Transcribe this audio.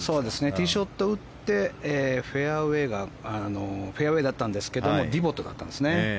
ティーショット打ってフェアウェーだったんですがディボットだったんですね。